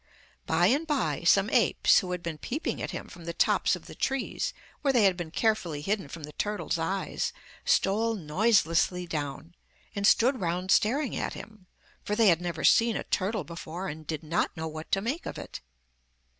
By and by some apes, who had been peeping at him from the tops of the trees, where they had been carefully hidden from the turtle's eyes, stole noiselessly down, and stood round staring at him, for they had never seen a turtle before, and did not know what to make of it.